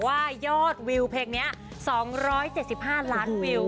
ว่ายอดวิวเพลงนี้๒๗๕ล้านวิว